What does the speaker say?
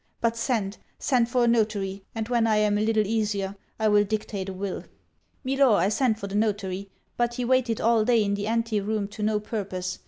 But send, send for a notary, and when I am a little easier I will dictate a will." 'Milor, I sent for the notary, But he waited all day in the anti room to no purpose.